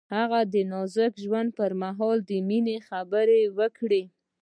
هغه د نازک ژوند پر مهال د مینې خبرې وکړې.